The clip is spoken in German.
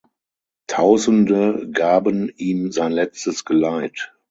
Tausende gaben ihm sein letztes Geleit.